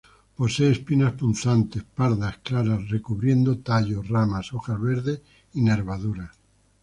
Posee espinas punzantes, pardas claras, recubriendo tallo, ramas, hojas verdes, nervaduras.